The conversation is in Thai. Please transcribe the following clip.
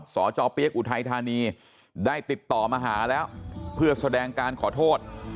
สจเปี๊ยกอุทัยธานีได้ติดต่อมาหาแล้วเพื่อแสดงการขอโทษ